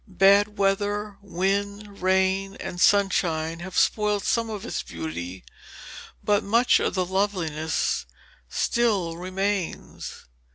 Bad weather, wind, rain, and sunshine have spoiled some of its beauty, but much of the loveliness still remains.